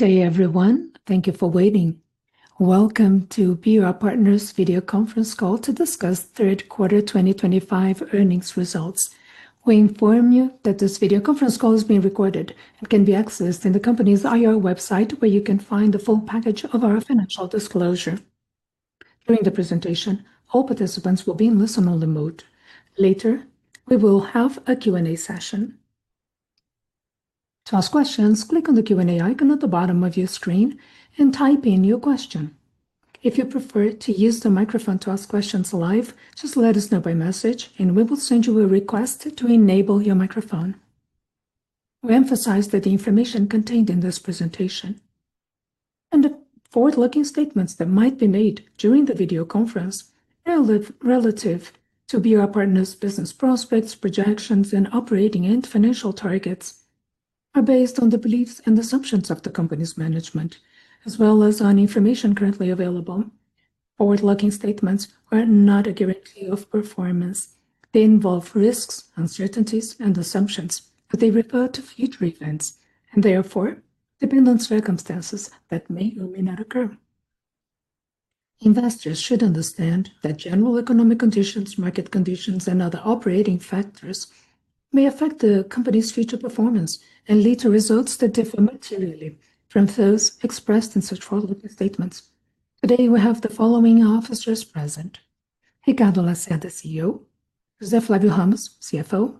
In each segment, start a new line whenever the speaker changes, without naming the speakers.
Good day, everyone. Thank you for waiting. Welcome to BR Partners' video conference call to discuss third quarter 2025 earnings results. We inform you that this video conference call is being recorded and can be accessed on the company's IR website, where you can find the full package of our financial disclosure. During the presentation, all participants will be in listen-only mode. Later, we will have a Q&A session. To ask questions, click on the Q&A icon at the bottom of your screen and type in your question. If you prefer to use the microphone to ask questions live, just let us know by message, and we will send you a request to enable your microphone. We emphasize that the information contained in this presentation and the forward-looking statements that might be made during the video conference are relative to BR Partners' business prospects, projections, and operating and financial targets. They are based on the beliefs and assumptions of the company's management, as well as on information currently available. Forward-looking statements are not a guarantee of performance. They involve risks, uncertainties, and assumptions, but they refer to future events and, therefore, dependent circumstances that may or may not occur. Investors should understand that general economic conditions, market conditions, and other operating factors may affect the company's future performance and lead to results that differ materially from those expressed in such forward-looking statements. Today, we have the following officers present: Ricardo Lacerda, CEO; Josef Flavius Ramos, CFO;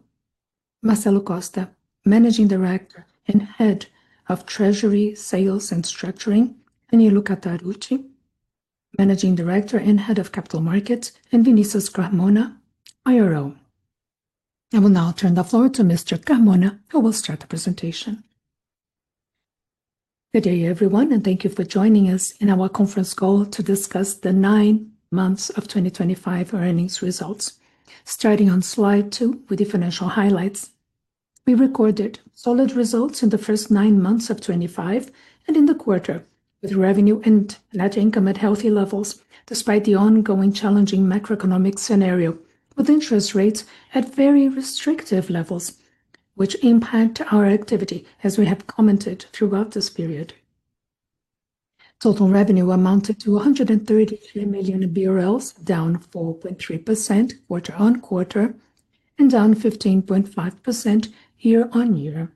Marcelo Costa, Managing Director and Head of Treasury Sales and Structuring; Anilo Katharucci, Managing Director and Head of Capital Markets; and Vinicius Carmona, IRO. I will now turn the floor to Mr. Carmona, who will start the presentation.
Good day, everyone, and thank you for joining us in our conference call to discuss the nine months of 2025 earnings results. Starting on slide two with the financial highlights, we recorded solid results in the first nine months of 2025 and in the quarter, with revenue and net income at healthy levels despite the ongoing challenging macroeconomic scenario, with interest rates at very restrictive levels, which impact our activity, as we have commented throughout this period. Total revenue amounted to 133 million BRL, down 4.3% quarter on quarter and down 15.5% year on year.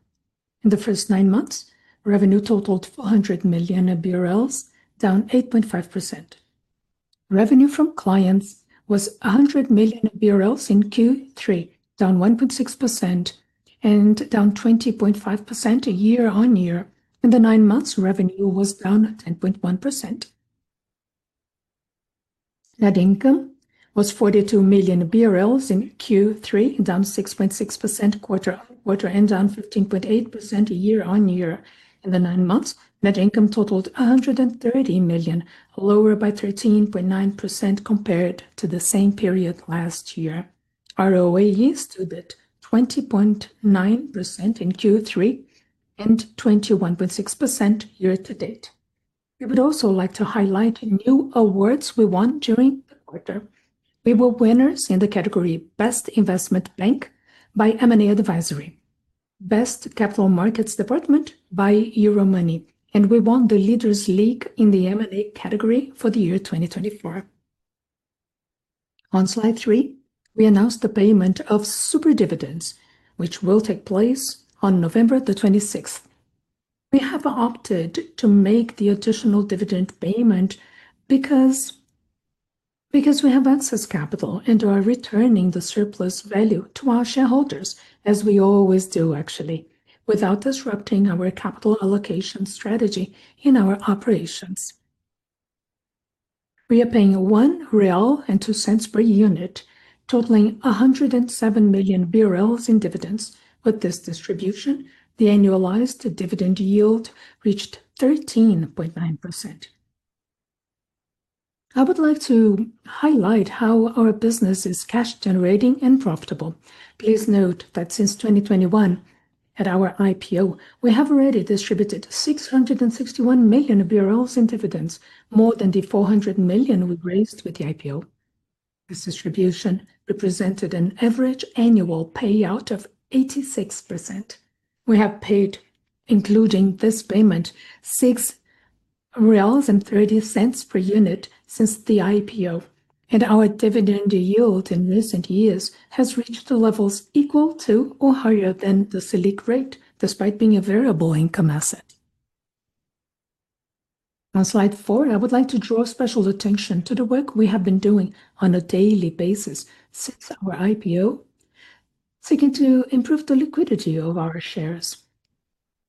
In the first nine months, revenue totaled 400 million BRL, down 8.5%. Revenue from clients was BRL 100 million in Q3, down 1.6% and down 20.5% year on year. In the nine months, revenue was down 10.1%. Net income was 42 million in Q3, down 6.6% quarter on quarter and down 15.8% year on year. In the nine months, net income totaled 130 million, lower by 13.9% compared to the same period last year. ROAE stood at 20.9% in Q3 and 21.6% year to date. We would also like to highlight new awards we won during the quarter. We were winners in the category Best Investment Bank by M&A Advisory, Best Capital Markets Department by Euromoney, and we won the Leaders League in the M&A category for the year 2024. On slide three, we announced the payment of super dividends, which will take place on November the 26th. We have opted to make the additional dividend payment because we have excess capital and are returning the surplus value to our shareholders, as we always do, actually, without disrupting our capital allocation strategy in our operations. We are paying 1 Real and 2 cents per unit, totaling 107 million BRL in dividends. With this distribution, the annualized dividend yield reached 13.9%. I would like to highlight how our business is cash-generating and profitable. Please note that since 2021, at our IPO, we have already distributed BRL 661 million in dividends, more than the 400 million we raised with the IPO. This distribution represented an average annual payout of 86%. We have paid, including this payment, 6 Real and 30 cents per unit since the IPO, and our dividend yield in recent years has reached levels equal to or higher than the SELIC rate, despite being a variable income asset. On slide four, I would like to draw special attention to the work we have been doing on a daily basis since our IPO, seeking to improve the liquidity of our shares.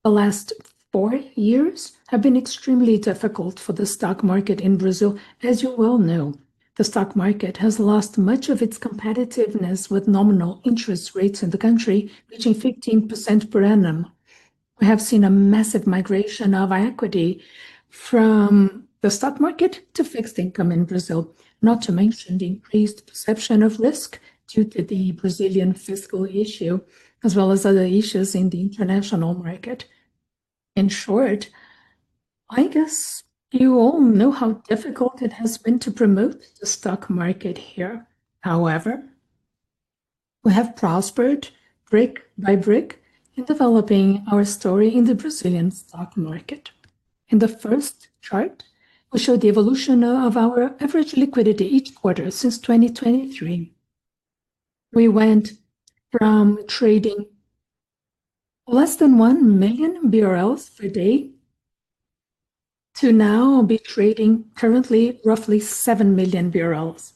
The last four years have been extremely difficult for the stock market in Brazil. As you well know, the stock market has lost much of its competitiveness with nominal interest rates in the country reaching 15% per annum. We have seen a massive migration of equity from the stock market to fixed income in Brazil, not to mention the increased perception of risk due to the Brazilian fiscal issue, as well as other issues in the international market. In short, I guess you all know how difficult it has been to promote the stock market here. However, we have prospered brick by brick in developing our story in the Brazilian stock market. In the first chart, we show the evolution of our average liquidity each quarter since 2023. We went from trading less than 1 million BRL per day to now be trading currently roughly 7 million BRL.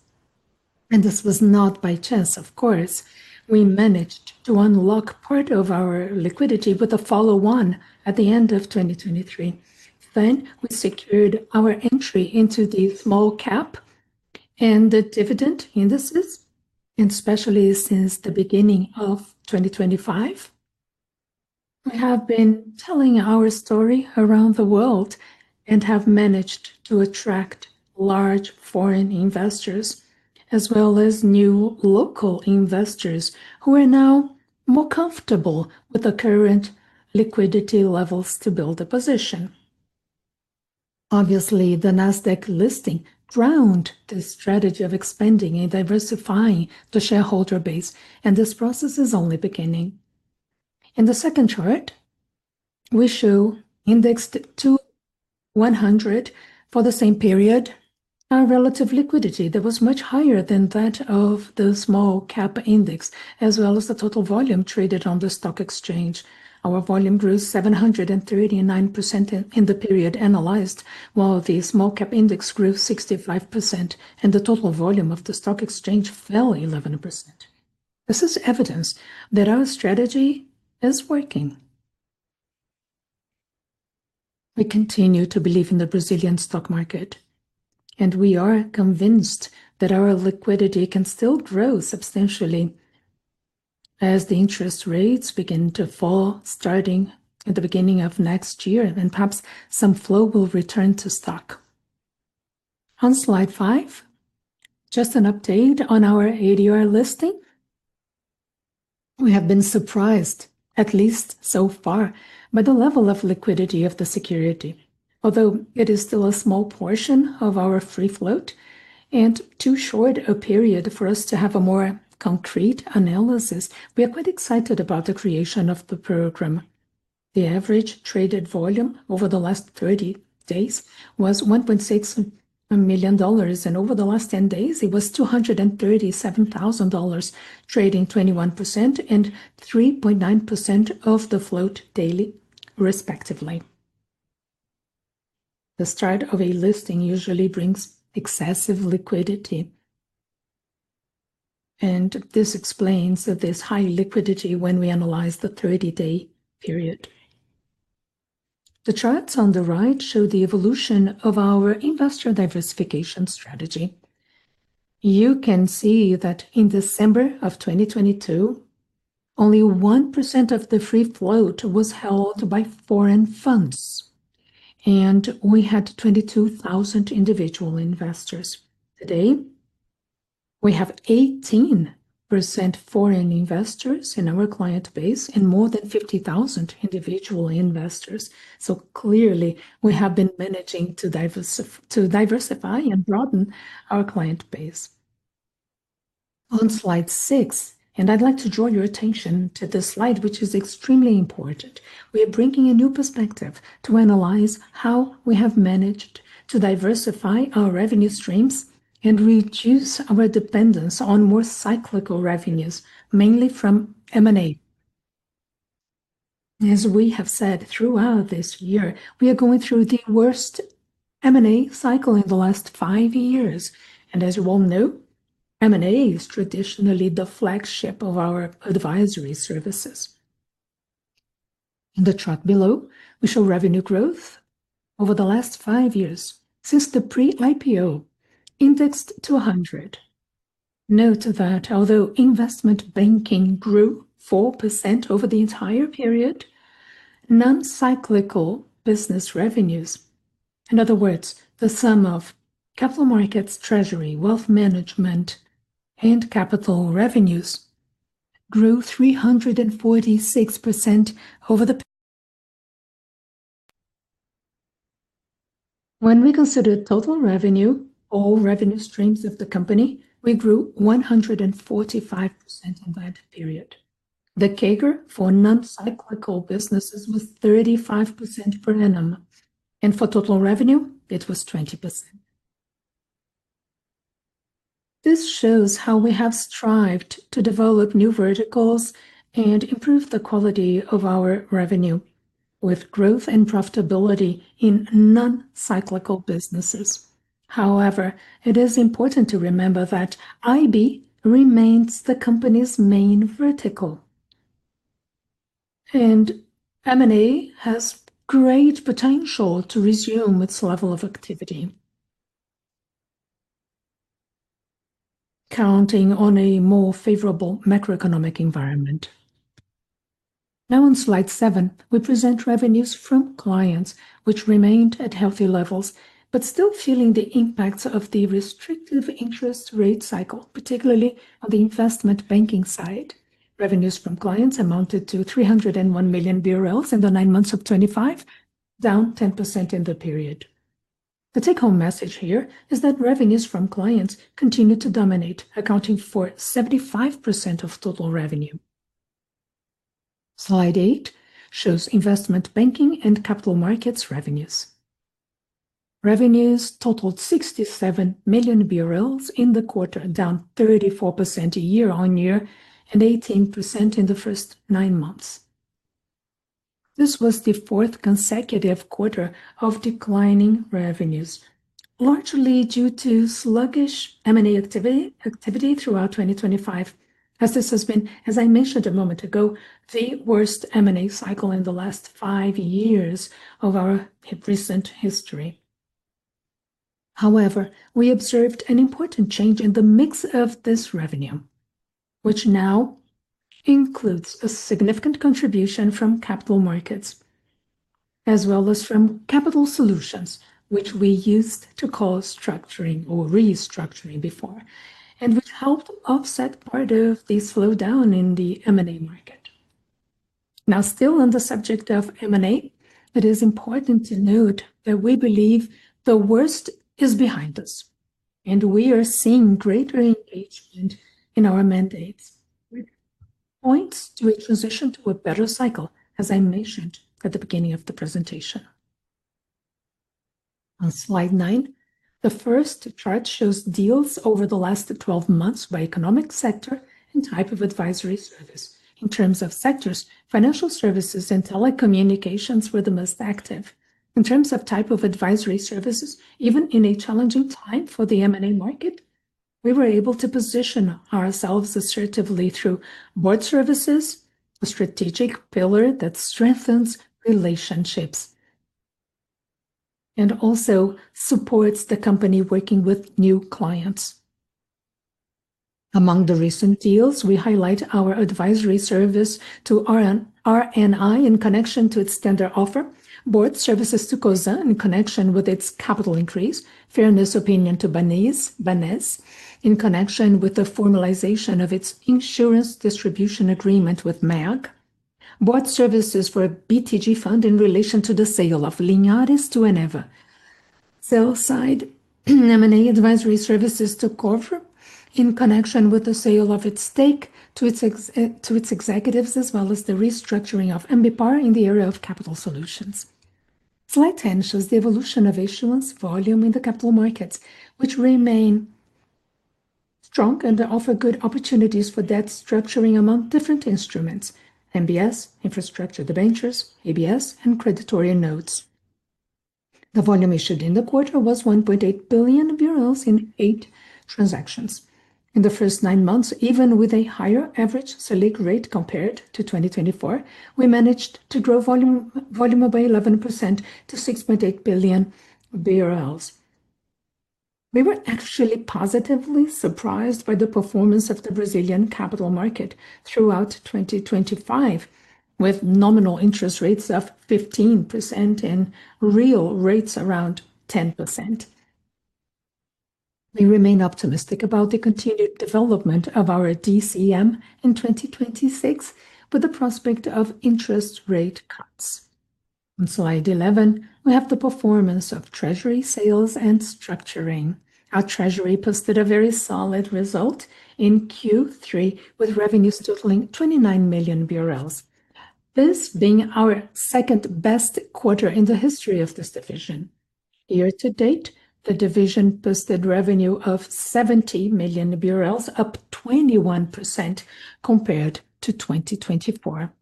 This was not by chance, of course. We managed to unlock part of our liquidity with a follow-on at the end of 2023. We secured our entry into the smal-cap and the dividend indices, and especially since the beginning of 2025, we have been telling our story around the world and have managed to attract large foreign investors, as well as new local investors who are now more comfortable with the current liquidity levels to build a position. Obviously, the Nasdaq listing drove this strategy of expanding and diversifying the shareholder base, and this process is only beginning. In the second chart, we show, indexed to 100 for the same period, our relative liquidity that was much higher than that of thesmall-cap index, as well as the total volume traded on the stock exchange. Our volume grew 739% in the period analyzed, while the small-cap index grew 65%, and the total volume of the stock exchange fell 11%. This is evidence that our strategy is working. We continue to believe in the Brazilian stock market, and we are convinced that our liquidity can still grow substantially as the interest rates begin to fall starting at the beginning of next year, and perhaps some flow will return to stock. On slide five, just an update on our ADR listing. We have been surprised, at least so far, by the level of liquidity of the security, although it is still a small portion of our free float and too short a period for us to have a more concrete analysis. We are quite excited about the creation of the program. The average traded volume over the last 30 days was $1.6 million, and over the last 10 days, it was $237,000, trading 21% and 3.9% of the float daily, respectively. The start of a listing usually brings excessive liquidity, and this explains this high liquidity when we analyze the 30-day period. The charts on the right show the evolution of our investor diversification strategy. You can see that in December of 2022, only 1% of the free float was held by foreign funds, and we had 22,000 individual investors. Today, we have 18% foreign investors in our client base and more than 50,000 individual investors. Clearly, we have been managing to diversify and broaden our client base. On slide six, and I'd like to draw your attention to this slide, which is extremely important. We are bringing a new perspective to analyze how we have managed to diversify our revenue streams and reduce our dependence on more cyclical revenues, mainly from M&A. As we have said throughout this year, we are going through the worst M&A cycle in the last five years. As you all know, M&A is traditionally the flagship of our advisory services. In the chart below, we show revenue growth over the last five years since the pre-IPO indexed to 100. Note that although investment banking grew 4% over the entire period, non-cyclical business revenues, in other words, the sum of capital markets, treasury, wealth management, and capital revenues grew 346% over the period. When we consider total revenue or revenue streams of the company, we grew 145% in that period. The CAGR for non-cyclical businesses was 35% per annum, and for total revenue, it was 20%. This shows how we have strived to develop new verticals and improve the quality of our revenue with growth and profitability in non-cyclical businesses. However, it is important to remember that IB remains the company's main vertical, and M&A has great potential to resume its level of activity, counting on a more favorable macroeconomic environment. Now, on slide seven, we present revenues from clients, which remained at healthy levels but still feeling the impacts of the restrictive interest rate cycle, particularly on the investment banking side. Revenues from clients amounted to 301 million BRL in the nine months of 2025, down 10% in the period. The take-home message here is that revenues from clients continue to dominate, accounting for 75% of total revenue. Slide eight shows investment banking and capital markets revenues. Revenues totaled 67 million BRL in the quarter, down 34% year on year and 18% in the first nine months. This was the fourth consecutive quarter of declining revenues, largely due to sluggish M&A activity throughout 2023, as this has been, as I mentioned a moment ago, the worst M&A cycle in the last five years of our recent history. However, we observed an important change in the mix of this revenue, which now includes a significant contribution from capital markets, as well as from capital solutions, which we used to call structuring or restructuring before, and which helped offset part of this slowdown in the M&A market. Now, still on the subject of M&A, it is important to note that we believe the worst is behind us, and we are seeing greater engagement in our mandates, which points to a transition to a better cycle, as I mentioned at the beginning of the presentation. On slide nine, the first chart shows deals over the last 12 months by economic sector and type of advisory service. In terms of sectors, financial services and telecommunications were the most active. In terms of type of advisory services, even in a challenging time for the M&A market, we were able to position ourselves assertively through board services, a strategic pillar that strengthens relationships and also supports the company working with new clients. Among the recent deals, we highlight our advisory service to RNI in connection to its tender offer, board services to COSA in connection with its capital increase, fairness opinion to Banes in connection with the formalization of its insurance distribution agreement with MAG, board services for BTG Fund in relation to the sale of Linhares to Eneva, sell side M&A advisory services to COVER in connection with the sale of its stake to its executives, as well as the restructuring of MBPAR in the area of capital solutions. Slide 10 shows the evolution of issuance volume in the capital markets, which remain strong and offer good opportunities for debt structuring among different instruments: MBS, infrastructure debentures, ABS, and creditorian notes. The volume issued in the quarter was BRL 1.8 billion in eight transactions. In the first nine months, even with a higher average SELIC rate compared to 2024, we managed to grow volume by 11% to 6.8 billion BRL. We were actually positively surprised by the performance of the Brazilian capital market throughout 2025, with nominal interest rates of 15% and real rates around 10%. We remain optimistic about the continued development of our DCM in 2026 with the prospect of interest rate cuts. On slide 11, we have the performance of treasury sales and structuring. Our treasury posted a very solid result in Q3, with revenues totaling 29 million BRL, this being our second-best quarter in the history of this division. Year to date, the division posted revenue of BRL 70 million, up 21% compared to 2024.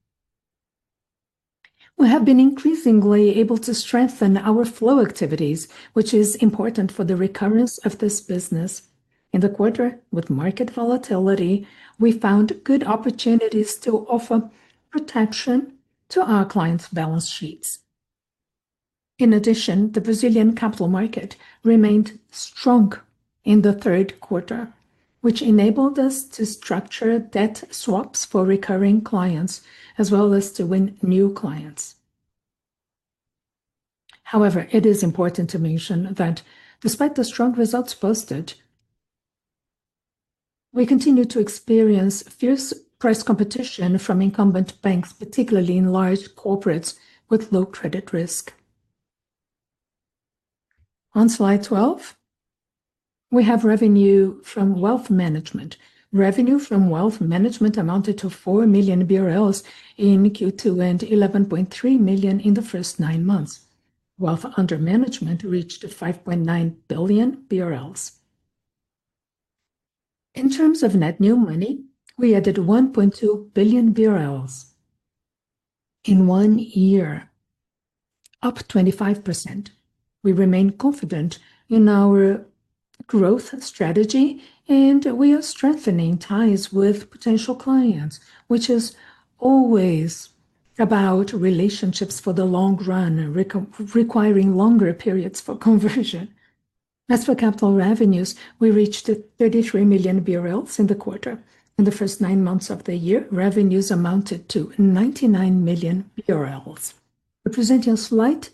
We have been increasingly able to strengthen our flow activities, which is important for the recurrence of this business. In the quarter with market volatility, we found good opportunities to offer protection to our clients' balance sheets. In addition, the Brazilian capital market remained strong in the third quarter, which enabled us to structure debt swaps for recurring clients, as well as to win new clients. However, it is important to mention that despite the strong results posted, we continue to experience fierce price competition from incumbent banks, particularly in large corporates with low credit risk. On slide 12, we have revenue from wealth management. Revenue from wealth management amounted to 4 million BRL in Q2 and 11.3 million in the first nine months. Wealth under management reached 5.9 billion BRL. In terms of net new money, we added 1.2 billion BRL in one year, up 25%. We remain confident in our growth strategy, and we are strengthening ties with potential clients, which is always about relationships for the long run, requiring longer periods for conversion. As for capital revenues, we reached 33 million BRL in the quarter. In the first nine months of the year, revenues amounted to 99 million BRL, representing a slight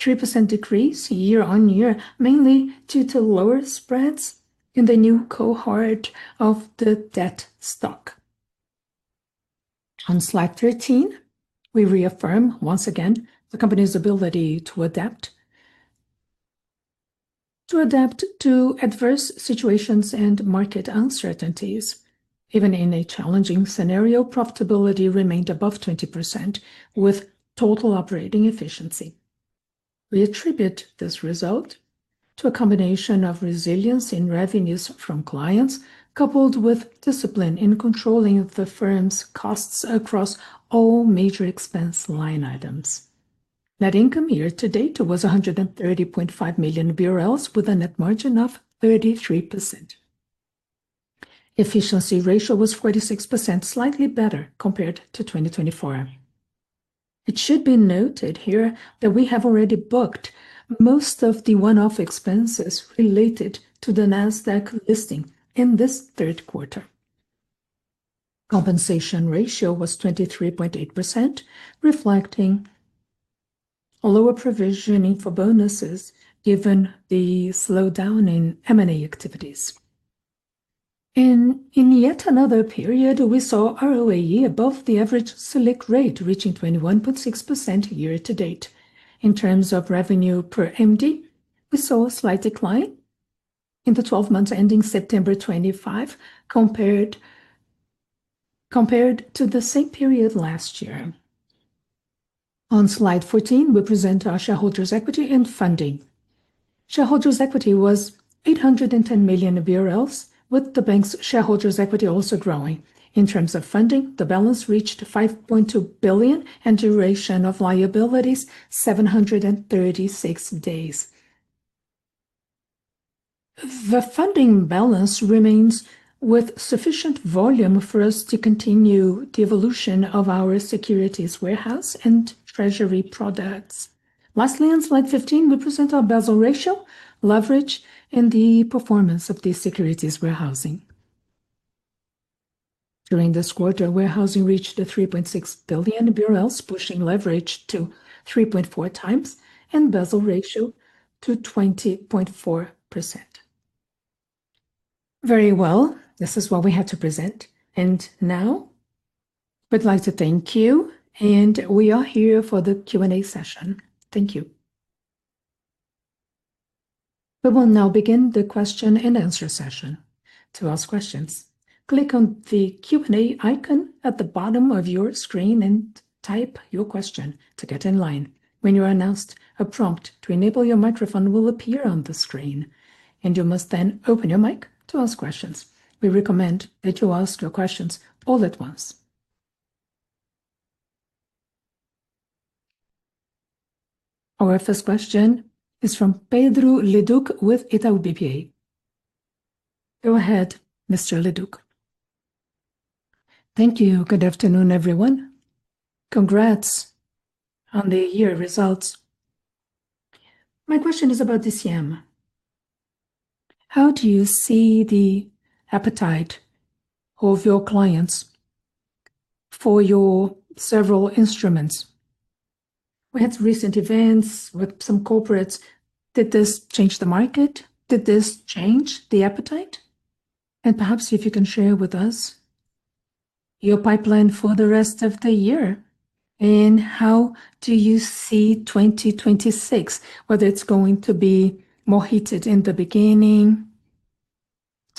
3% decrease year on year, mainly due to lower spreads in the new cohort of the debt stock. On slide 13, we reaffirm once again the company's ability to adapt to adverse situations and market uncertainties. Even in a challenging scenario, profitability remained above 20% with total operating efficiency. We attribute this result to a combination of resilience in revenues from clients, coupled with discipline in controlling the firm's costs across all major expense line items. Net income year to date was 130.5 million BRL, with a net margin of 33%. Efficiency ratio was 46%, slightly better compared to 2024. It should be noted here that we have already booked most of the one-off expenses related to the Nasdaq listing in this third quarter. Compensation ratio was 23.8%, reflecting a lower provisioning for bonuses given the slowdown in M&A activities. In yet another period, we saw ROAE above the average SELIC rate, reaching 21.6% year to date. In terms of revenue per MD, we saw a slight decline in the 12 months ending September 25 compared to the same period last year. On slide 14, we present our shareholders' equity and funding. Shareholders' equity was BRL 810 million, with the bank's shareholders' equity also growing. In terms of funding, the balance reached 5.2 billion and duration of liabilities 736 days. The funding balance remains with sufficient volume for us to continue the evolution of our securities warehouse and treasury products. Lastly, on slide 15, we present our Basel ratio, leverage, and the performance of the securities warehousing. During this quarter, warehousing reached 3.6 billion BRL, pushing leverage to 3.4 times and Basel ratio to 20.4%. Very well, this is what we had to present. I would like to thank you, and we are here for the Q&A session. Thank you.
We will now begin the question-and-answer session. To ask questions, click on the Q&A icon at the bottom of your screen and type your question to get in line. When you are announced, a prompt to enable your microphone will appear on the screen, and you must then open your mic to ask questions. We recommend that you ask your questions all at once. Our first question is from Pedro Leduc with Itaú BBA. Go ahead, Mr. Leduc.
Thank you. Good afternoon, everyone. Congrats on the year results. My question is about DCM. How do you see the appetite of your clients for your several instruments? We had recent events with some corporates. Did this change the market? Did this change the appetite? Perhaps if you can share with us your pipeline for the rest of the year and how do you see 2026, whether it is going to be more heated in the beginning.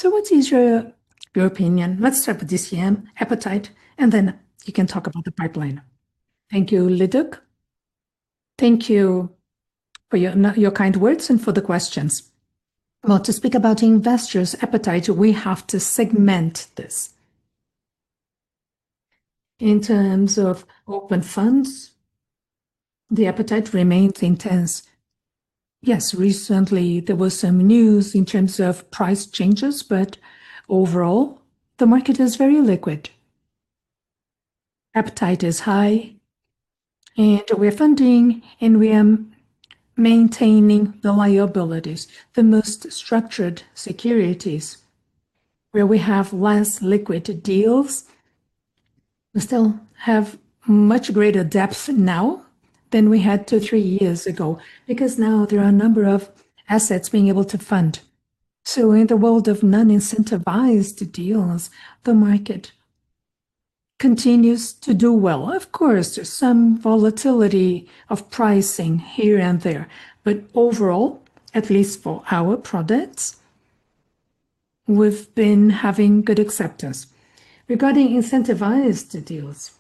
What is your opinion? Let's start with DCM appetite, and then you can talk about the pipeline.
Thank you, Leduc.
Thank you for your kind words and for the questions. To speak about investors' appetite, we have to segment this. In terms of open funds, the appetite remains intense. Yes, recently there was some news in terms of price changes, but overall, the market is very liquid. Appetite is high, and we are funding, and we are maintaining the liabilities, the most structured securities, where we have less liquid deals. We still have much greater depth now than we had two or three years ago because now there are a number of assets being able to fund. In the world of non-incentivized deals, the market continues to do well. Of course, there is some volatility of pricing here and there, but overall, at least for our products, we have been having good acceptance. Regarding incentivized deals,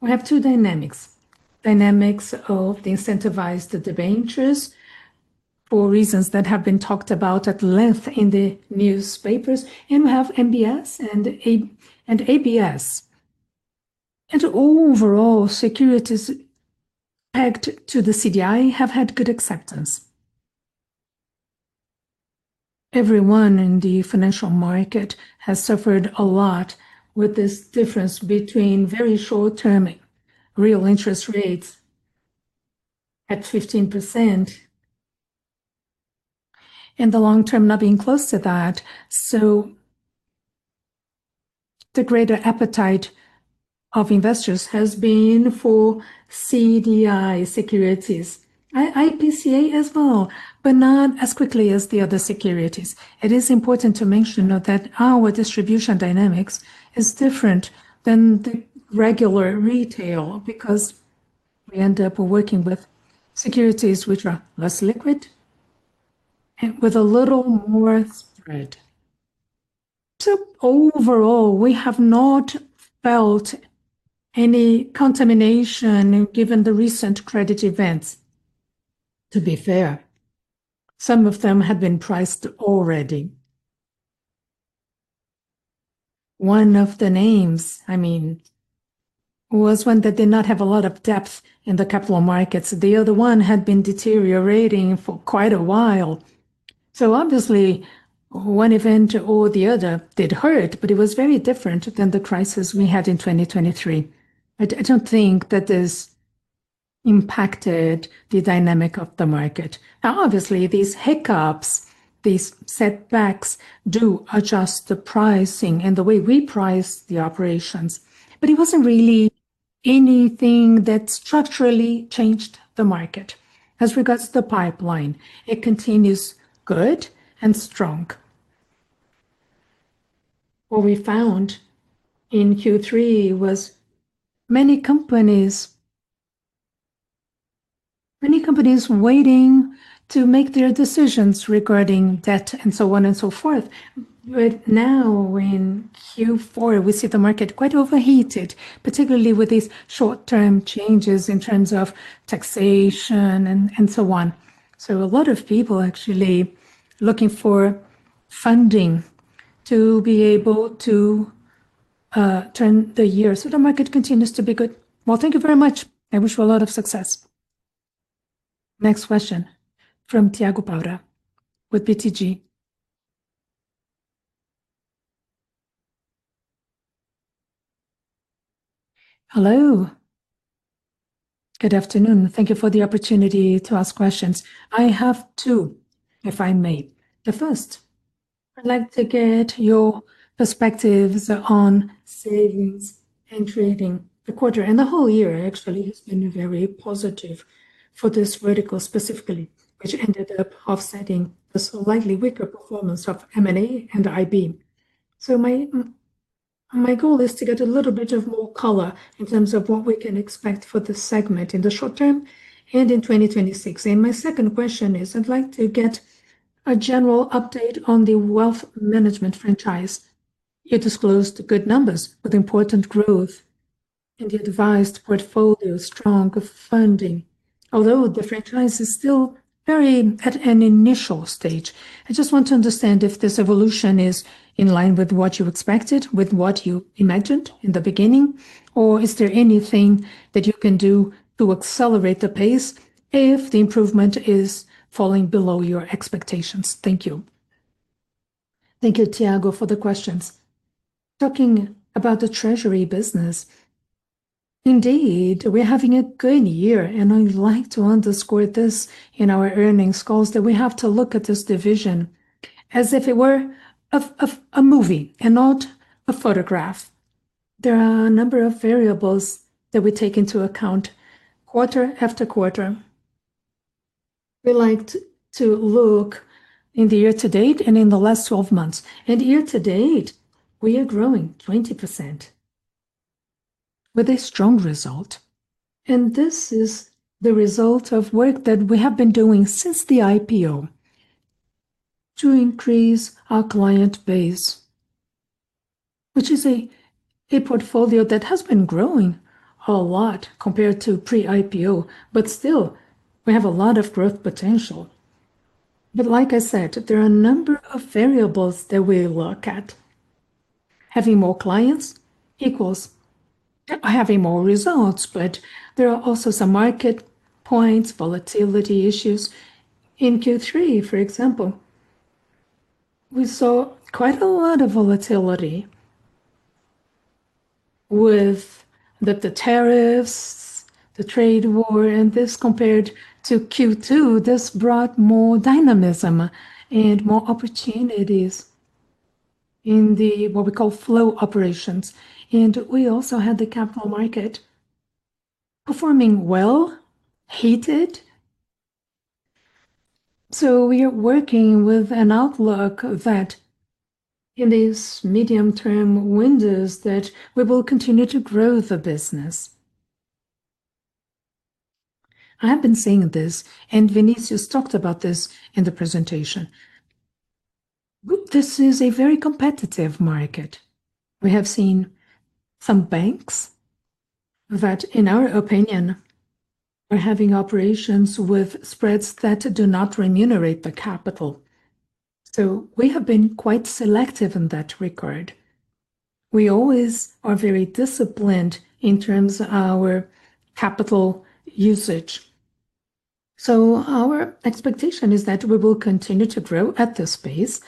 we have two dynamics: dynamics of the incentivized debentures for reasons that have been talked about at length in the newspapers, and we have MBS and ABS. Overall, securities pegged to the CDI have had good acceptance. Everyone in the financial market has suffered a lot with this difference between very short-term real interest rates at 15% and the long-term not being close to that. The greater appetite of investors has been for CDI securities, IPCA as well, but not as quickly as the other securities. It is important to mention that our distribution dynamics is different than the regular retail because we end up working with securities which are less liquid and with a little more spread. Overall, we have not felt any contamination given the recent credit events. To be fair, some of them had been priced already. One of the names, I mean, was one that did not have a lot of depth in the capital markets. The other one had been deteriorating for quite a while. Obviously, one event or the other did hurt, but it was very different than the crisis we had in 2023. I do not think that this impacted the dynamic of the market. Now, obviously, these hiccups, these setbacks, do adjust the pricing and the way we price the operations, but it was not really anything that structurally changed the market. As regards to the pipeline, it continues good and strong. What we found in Q3 was many companies waiting to make their decisions regarding debt and so on and so forth. Now, in Q4, we see the market quite overheated, particularly with these short-term changes in terms of taxation and so on. A lot of people actually looking for funding to be able to turn the year so the market continues to be good. Thank you very much. I wish you a lot of success.
Next question from Thiago Paura with BTG. Hello. Good afternoon.
Thank you for the opportunity to ask questions. I have two, if I may. The first, I'd like to get your perspectives on savings and trading. The quarter and the whole year actually has been very positive for this vertical specifically, which ended up offsetting the slightly weaker performance of M&A and IB. My goal is to get a little bit of more color in terms of what we can expect for the segment in the short term and in 2026. My second question is, I'd like to get a general update on the wealth management franchise. You disclosed good numbers with important growth and you advised portfolio strong funding. Although the franchise is still very at an initial stage, I just want to understand if this evolution is in line with what you expected, with what you imagined in the beginning, or is there anything that you can do to accelerate the pace if the improvement is falling below your expectations? Thank you.
Thank you, Tiago, for the questions. Talking about the treasury business, indeed, we're having a good year, and I'd like to underscore this in our earnings calls that we have to look at this division as if it were a movie and not a photograph. There are a number of variables that we take into account quarter after quarter. We like to look in the year to date and in the last 12 months. Year to date, we are growing 20% with a strong result. This is the result of work that we have been doing since the IPO to increase our client base, which is a portfolio that has been growing a lot compared to pre-IPO. Still, we have a lot of growth potential. Like I said, there are a number of variables that we look at. Having more clients equals having more results, but there are also some market points, volatility issues. In Q3, for example, we saw quite a lot of volatility with the tariffs, the trade war, and this compared to Q2, this brought more dynamism and more opportunities in what we call flow operations. We also had the capital market performing well, heated. We are working with an outlook that in these medium-term windows we will continue to grow the business. I have been seeing this, and Vinicius talked about this in the presentation. This is a very competitive market. We have seen some banks that, in our opinion, are having operations with spreads that do not remunerate the capital. We have been quite selective in that regard. We always are very disciplined in terms of our capital usage. Our expectation is that we will continue to grow at this pace.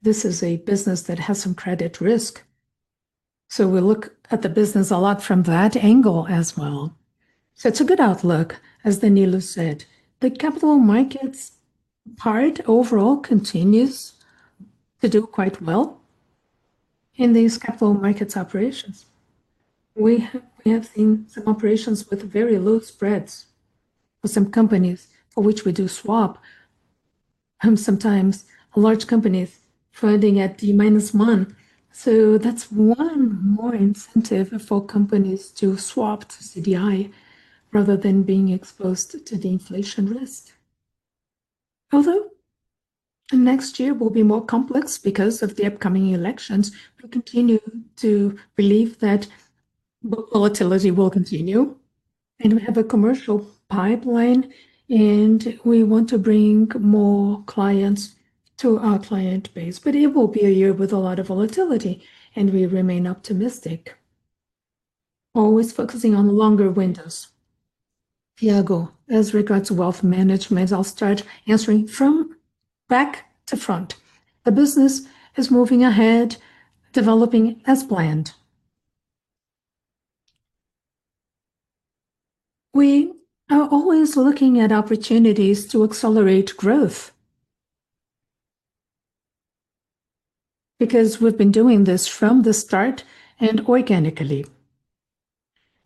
This is a business that has some credit risk. We look at the business a lot from that angle as well. It is a good outlook, as Anilo said. The capital markets part overall continues to do quite well in these capital markets operations. We have seen some operations with very low spreads for some companies for which we do swap. Sometimes large companies funding at D minus one. That is one more incentive for companies to swap to CDI rather than being exposed to the inflation risk. Although next year will be more complex because of the upcoming elections, we continue to believe that volatility will continue. We have a commercial pipeline, and we want to bring more clients to our client base. It will be a year with a lot of volatility, and we remain optimistic, always focusing on longer windows. Tiago, as regards to wealth management, I will start answering from back to front. The business is moving ahead, developing as planned. We are always looking at opportunities to accelerate growth because we have been doing this from the start and organically.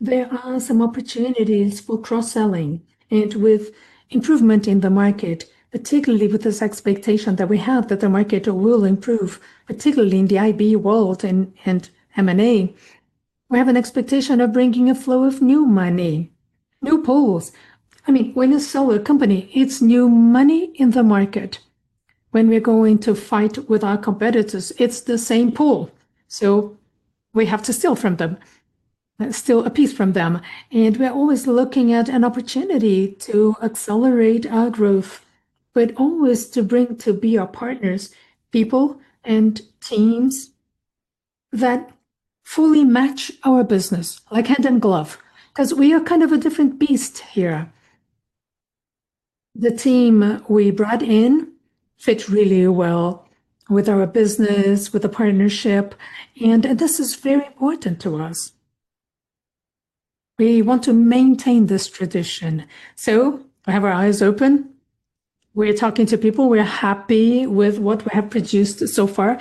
There are some opportunities for cross-selling and with improvement in the market, particularly with this expectation that we have that the market will improve, particularly in the IB world and M&A. We have an expectation of bringing a flow of new money, new pools. I mean, when you sell a company, it's new money in the market. When we're going to fight with our competitors, it's the same pool. We have to steal from them, steal a piece from them. We're always looking at an opportunity to accelerate our growth, but always to bring to BR Partners people and teams that fully match our business, like hand and glove, because we are kind of a different beast here. The team we brought in fits really well with our business, with the partnership, and this is very important to us. We want to maintain this tradition. We have our eyes open. We're talking to people. We're happy with what we have produced so far.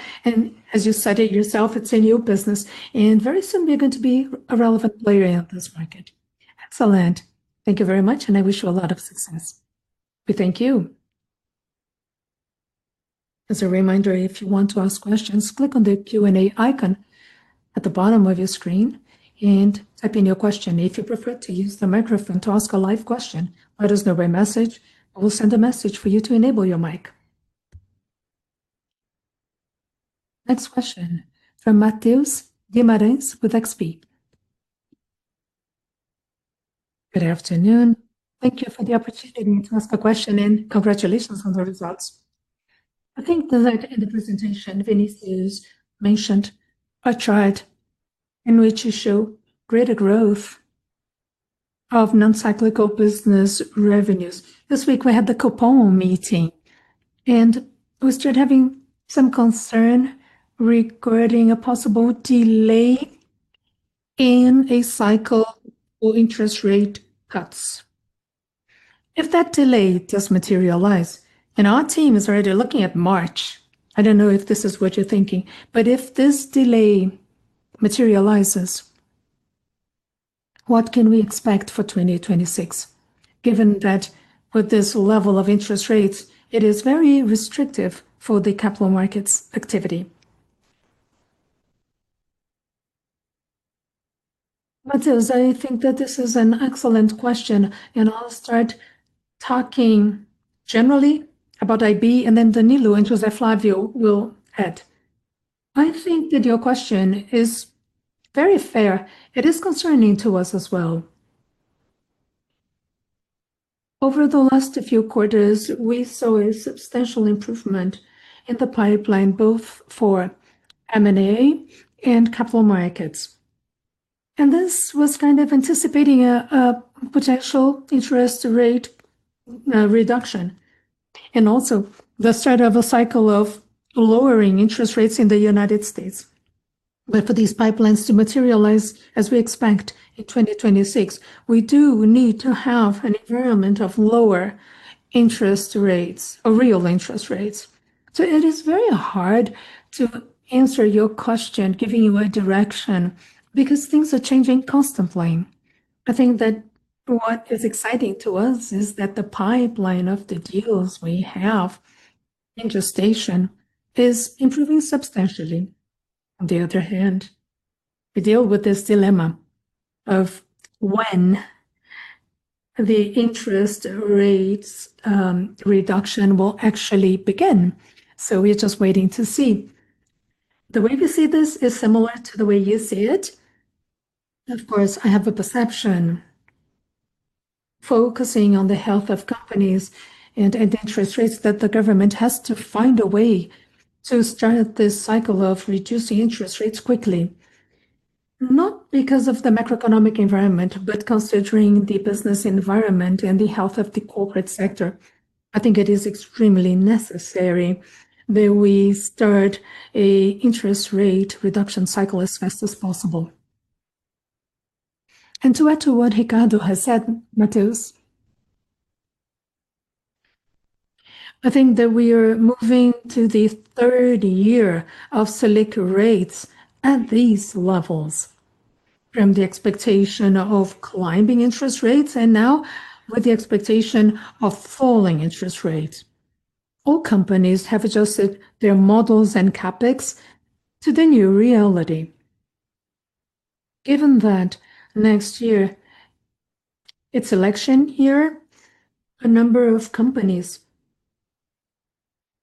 As you said it yourself, it's a new business, and very soon we're going to be a relevant player in this market. Excellent. Thank you very much, and I wish you a lot of success.
We thank you. As a reminder, if you want to ask questions, click on the Q&A icon at the bottom of your screen and type in your question. If you prefer to use the microphone to ask a live question, let us know by message. We'll send a message for you to enable your mic. Next question from Matheus Guimarães with XP.
Good afternoon. Thank you for the opportunity to ask a question and congratulations on the results. I think that in the presentation, Vinicius mentioned a chart in which you show greater growth of non-cyclical business revenues. This week, we had the coupon meeting, and we started having some concern regarding a possible delay in a cycle or interest rate cuts. If that delay does materialize, and our team is already looking at March, I do not know if this is what you are thinking, but if this delay materializes, what can we expect for 2026, given that with this level of interest rates, it is very restrictive for the capital markets activity?
Matheus, I think that this is an excellent question, and I will start talking generally about IB, and then Anilo and José Flavius will add. I think that your question is very fair. It is concerning to us as well. Over the last few quarters, we saw a substantial improvement in the pipeline, both for M&A and capital markets. This was kind of anticipating a potential interest rate reduction and also the start of a cycle of lowering interest rates in the United States. For these pipelines to materialize as we expect in 2026, we do need to have an environment of lower interest rates or real interest rates. It is very hard to answer your question, giving you a direction, because things are changing constantly. I think that what is exciting to us is that the pipeline of the deals we have in gestation is improving substantially. On the other hand, we deal with this dilemma of when the interest rates reduction will actually begin. We are just waiting to see. The way we see this is similar to the way you see it. Of course, I have a perception focusing on the health of companies and interest rates that the government has to find a way to start this cycle of reducing interest rates quickly. Not because of the macroeconomic environment, but considering the business environment and the health of the corporate sector, I think it is extremely necessary that we start an interest rate reduction cycle as fast as possible. To add to what Ricardo has said, Matheus, I think that we are moving to the third year of SELIC rates at these levels from the expectation of climbing interest rates and now with the expectation of falling interest rates. All companies have adjusted their models and CapEx to the new reality. Given that next year it is election year, a number of companies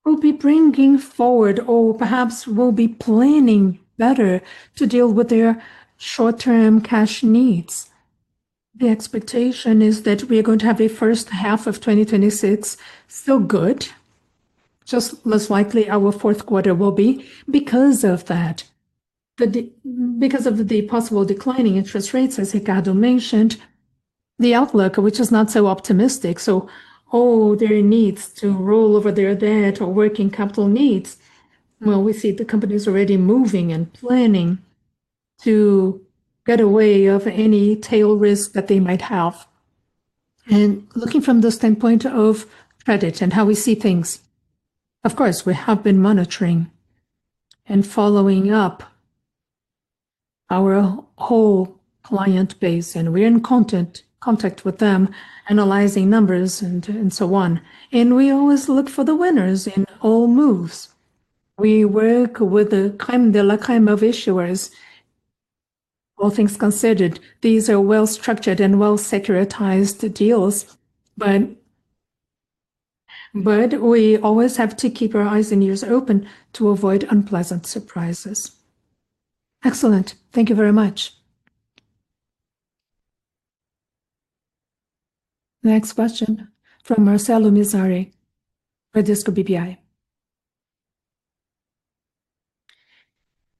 will be bringing forward or perhaps will be planning better to deal with their short-term cash needs. The expectation is that we are going to have a first half of 2026 still good. Just less likely our fourth quarter will be because of that. Because of the possible declining interest rates, as Ricardo mentioned, the outlook, which is not so optimistic. There are needs to roll over their debt or working capital needs. We see the companies already moving and planning to get away of any tail risk that they might have. Looking from the standpoint of credit and how we see things, of course, we have been monitoring and following up our whole client base, and we're in contact with them, analyzing numbers and so on. We always look for the winners in all moves. We work with the crème de la crème of issuers. All things considered, these are well-structured and well-securitized deals. We always have to keep our eyes and ears open to avoid unpleasant surprises.
Excellent. Thank you very much. Next question from Marcelo Mizrahi for Bradesco BBI.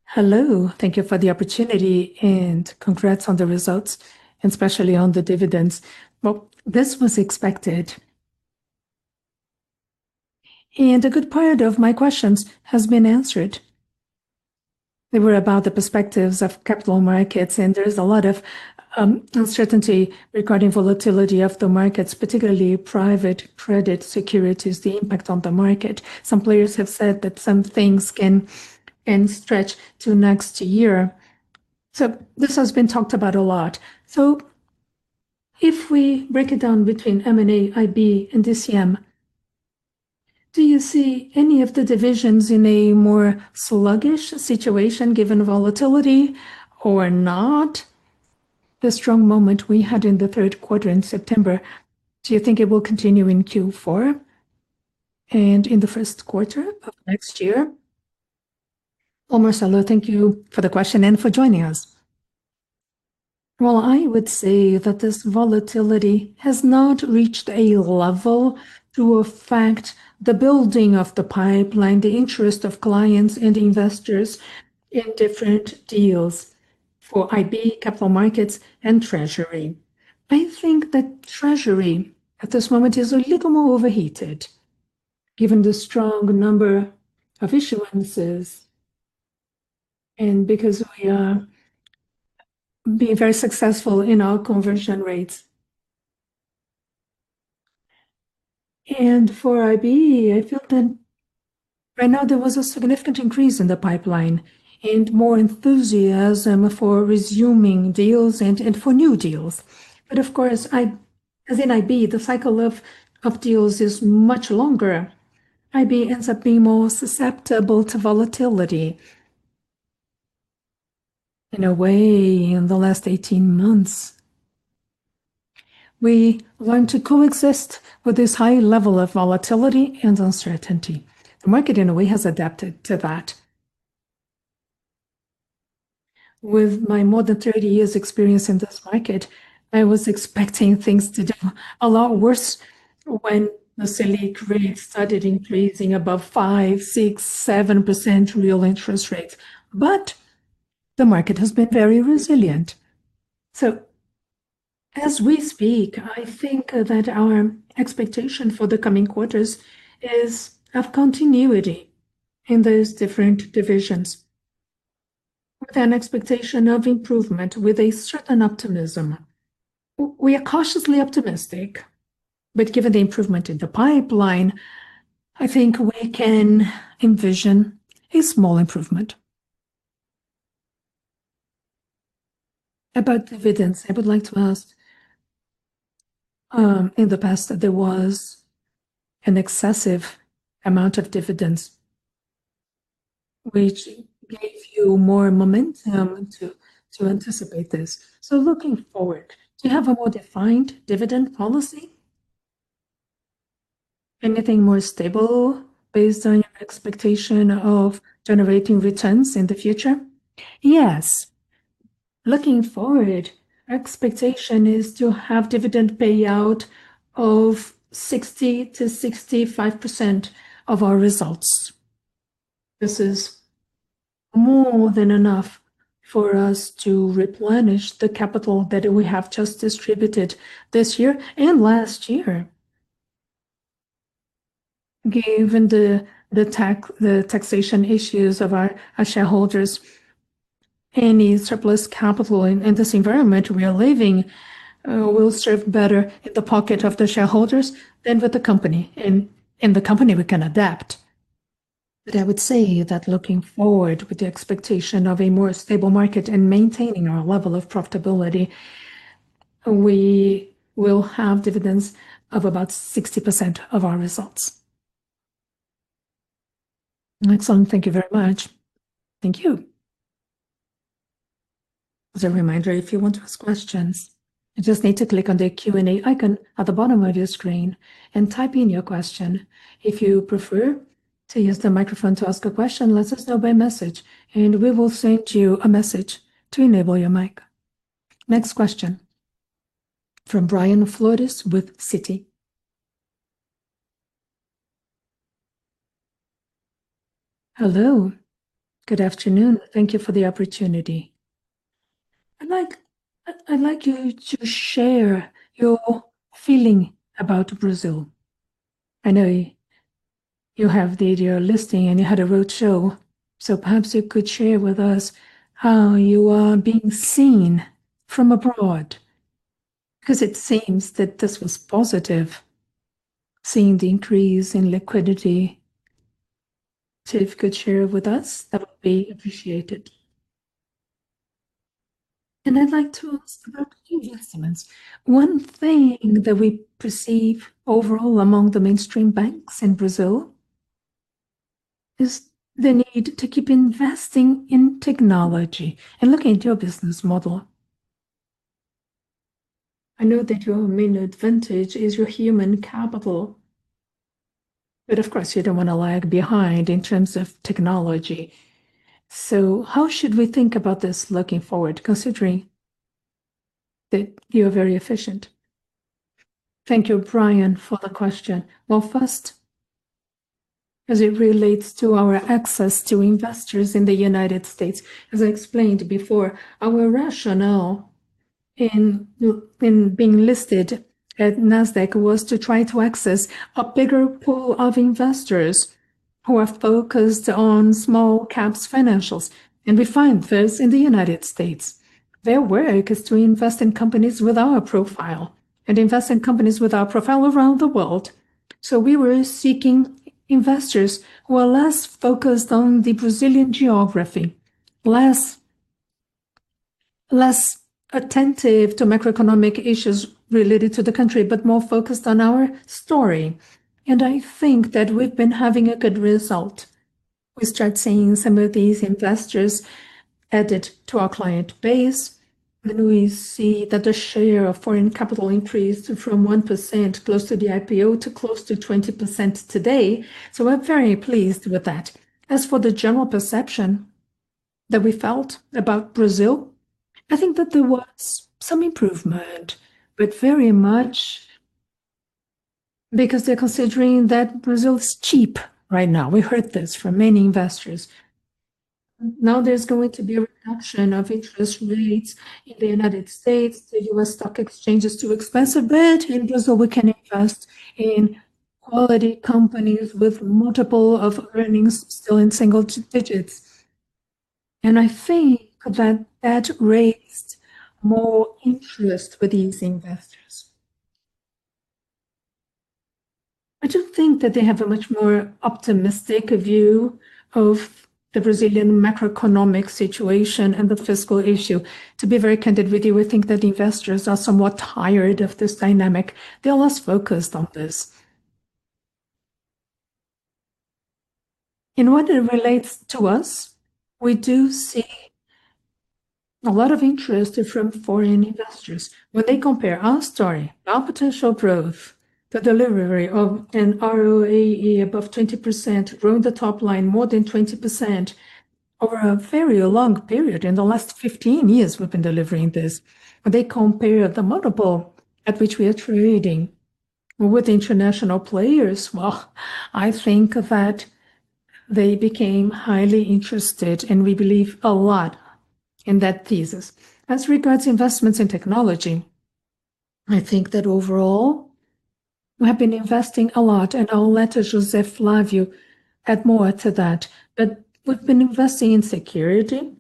Hello. Thank you for the opportunity and congrats on the results, and especially on the dividends. This was expected. A good part of my questions has been answered. They were about the perspectives of capital markets, and there is a lot of uncertainty regarding volatility of the markets, particularly private credit securities, the impact on the market. Some players have said that some things can stretch to next year. This has been talked about a lot. If we break it down between M&A, IB, and DCM, do you see any of the divisions in a more sluggish situation given volatility or not? The strong moment we had in the third quarter in September, do you think it will continue in Q4 and in the first quarter of next year?
Marcelo, thank you for the question and for joining us. I would say that this volatility has not reached a level through a fact, the building of the pipeline, the interest of clients and investors in different deals for IB, capital markets, and treasury. I think that treasury at this moment is a little more overheated given the strong number of issuances. Because we are being very successful in our conversion rates. For IB, I feel that right now there was a significant increase in the pipeline and more enthusiasm for resuming deals and for new deals. Of course, as in IB, the cycle of deals is much longer. IB ends up being more susceptible to volatility in a way in the last 18 months. We learned to coexist with this high level of volatility and uncertainty. The market, in a way, has adapted to that. With my more than 30 years' experience in this market, I was expecting things to do a lot worse when the SELIC rate started increasing above 5%, 6%, 7% real interest rates. The market has been very resilient. As we speak, I think that our expectation for the coming quarters is of continuity in those different divisions with an expectation of improvement with a certain optimism. We are cautiously optimistic, but given the improvement in the pipeline, I think we can envision a small improvement. About dividends, I would like to ask. In the past, there was an excessive amount of dividends, which gave you more momentum to anticipate this. Looking forward, do you have a more defined dividend policy? Anything more stable based on your expectation of generating returns in the future? Yes. Looking forward, our expectation is to have dividend payout of 60-65% of our results. This is more than enough for us to replenish the capital that we have just distributed this year and last year. Given the taxation issues of our shareholders, any surplus capital in this environment we are living will serve better in the pocket of the shareholders than with the company. In the company, we can adapt. I would say that looking forward with the expectation of a more stable market and maintaining our level of profitability, we will have dividends of about 60% of our results. Excellent. Thank you very much. Thank you.
As a reminder, if you want to ask questions, you just need to click on the Q&A icon at the bottom of your screen and type in your question. If you prefer to use the microphone to ask a question, let us know by message, and we will send you a message to enable your mic. Next question from Brian Flores with Citibank.
Hello. Good afternoon. Thank you for the opportunity. I'd like you to share your feeling about Brazil. I know you have the idea of listing and you had a roadshow, so perhaps you could share with us how you are being seen from abroad, because it seems that this was positive, seeing the increase in liquidity. If you could share with us, that would be appreciated. I'd like to ask about your estimates.
One thing that we perceive overall among the mainstream banks in Brazil is the need to keep investing in technology and looking at your business model. I know that your main advantage is your human capital, but of course, you do not want to lag behind in terms of technology. How should we think about this looking forward, considering that you are very efficient? Thank you, Brian, for the question. First, as it relates to our access to investors in the United States, as I explained before, our rationale in being listed at Nasdaq was to try to access a bigger pool of investors who are focused on small caps financials. We find this in the United States. Their work is to invest in companies with our profile and invest in companies with our profile around the world. We were seeking investors who are less focused on the Brazilian geography, less attentive to macroeconomic issues related to the country, but more focused on our story. I think that we've been having a good result. We start seeing some of these investors added to our client base, and we see that the share of foreign capital increased from 1% close to the IPO to close to 20% today. We're very pleased with that. As for the general perception that we felt about Brazil, I think that there was some improvement, but very much because they're considering that Brazil is cheap right now. We heard this from many investors. Now there's going to be a reduction of interest rates in the United States. The US stock exchange is too expensive, but in Brazil, we can invest in quality companies with multiple of earnings still in single digits. I think that that raised more interest with these investors. I do not think that they have a much more optimistic view of the Brazilian macroeconomic situation and the fiscal issue. To be very candid with you, we think that investors are somewhat tired of this dynamic. They are less focused on this. In what it relates to us, we do see a lot of interest from foreign investors. When they compare our story, our potential growth, the delivery of an ROE above 20%, growing the top line more than 20% over a very long period. In the last 15 years, we have been delivering this. When they compare the multiple at which we are trading with international players, I think that they became highly interested, and we believe a lot in that thesis. As regards investments in technology, I think that overall, we have been investing a lot, and I'll let Josef Flavius add more to that. We have been investing in security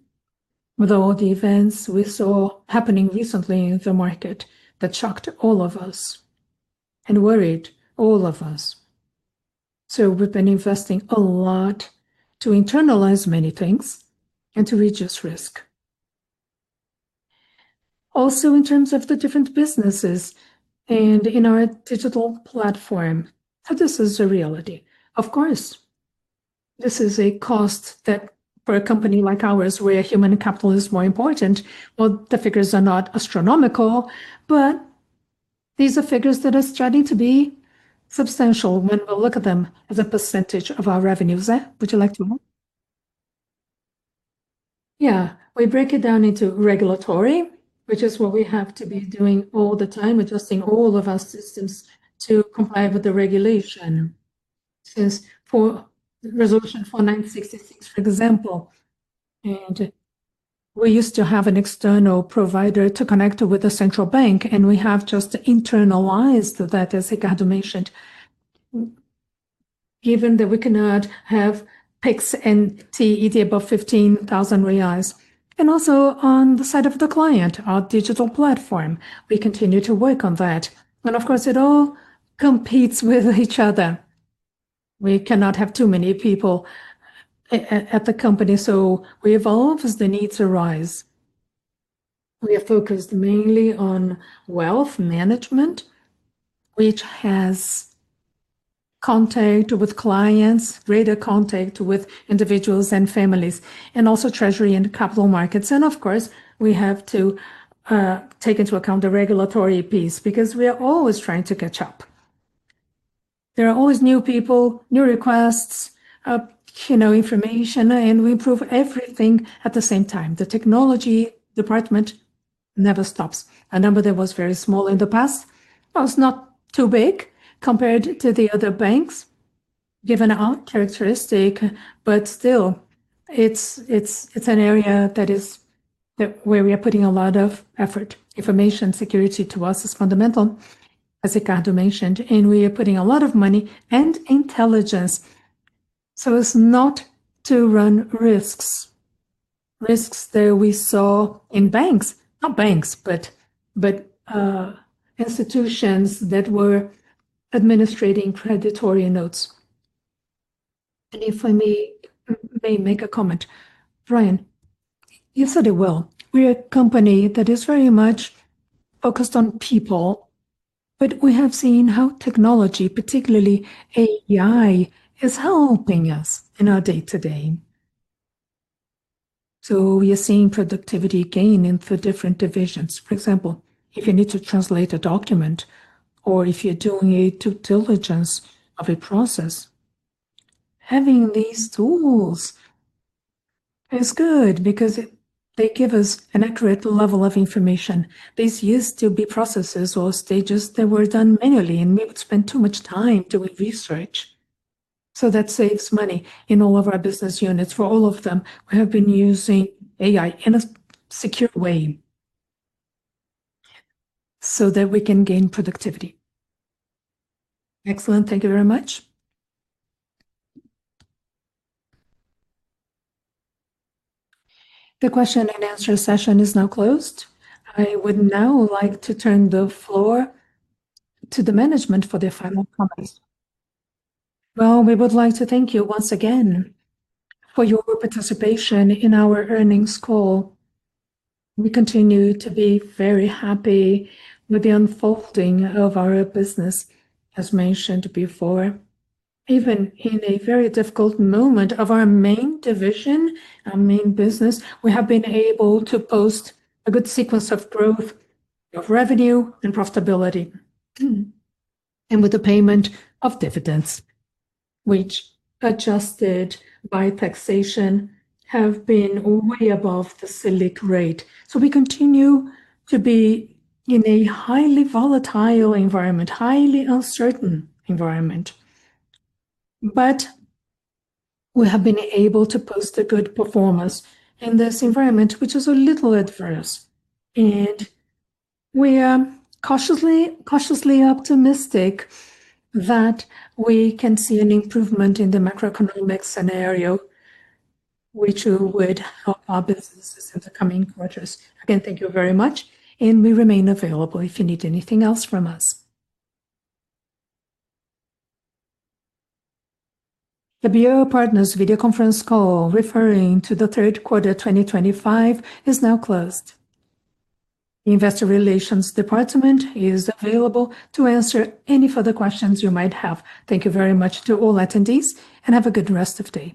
with all the events we saw happening recently in the market that shocked all of us and worried all of us. We have been investing a lot to internalize many things and to reduce risk. Also, in terms of the different businesses and in our digital platform, how this is a reality. Of course, this is a cost that for a company like ours, where human capital is more important. The figures are not astronomical, but these are figures that are starting to be substantial when we look at them as a percentage of our revenues. Would you like to know? Yeah. We break it down into regulatory, which is what we have to be doing all the time, adjusting all of our systems to comply with the regulation. Since for Resolution 4966, for example, and we used to have an external provider to connect with the central bank, and we have just internalized that, as Ricardo mentioned, given that we can have PIX and TED above 15,000 reais. Also on the side of the client, our digital platform, we continue to work on that. Of course, it all competes with each other. We cannot have too many people at the company, so we evolve as the needs arise. We are focused mainly on wealth management, which has contact with clients, greater contact with individuals and families, and also treasury and capital markets. Of course, we have to take into account the regulatory piece because we are always trying to catch up. There are always new people, new requests, you know, information, and we improve everything at the same time. The technology department never stops. A number that was very small in the past was not too big compared to the other banks, given our characteristic, but still, it is an area that is where we are putting a lot of effort. Information security to us is fundamental, as Ricardo mentioned, and we are putting a lot of money and intelligence. It is not to run risks. Risks that we saw in banks, not banks, but institutions that were administrating predatory notes. If I may make a comment, Brian, you said it well. We are a company that is very much focused on people, but we have seen how technology, particularly AI, is helping us in our day-to-day. We are seeing productivity gain in the different divisions. For example, if you need to translate a document or if you're doing a due diligence of a process, having these tools is good because they give us an accurate level of information. These used to be processes or stages that were done manually, and we would spend too much time doing research. That saves money in all of our business units. For all of them, we have been using AI in a secure way so that we can gain productivity.
Excellent. Thank you very much. The question and answer session is now closed. I would now like to turn the floor to the management for their final comments.
We would like to thank you once again for your participation in our earnings call. We continue to be very happy with the unfolding of our business, as mentioned before. Even in a very difficult moment of our main division, our main business, we have been able to post a good sequence of growth of revenue and profitability. With the payment of dividends, which adjusted by taxation, have been way above the SELIC rate. We continue to be in a highly volatile environment, highly uncertain environment. We have been able to post a good performance in this environment, which is a little adverse. We are cautiously optimistic that we can see an improvement in the macroeconomic scenario, which would help our businesses in the coming quarters. Again, thank you very much. We remain available if you need anything else from us.
The BR Partners video conference call referring to the third quarter 2025 is now closed. The Investor Relations Department is available to answer any further questions you might have. Thank you very much to all attendees, and have a good rest of the day.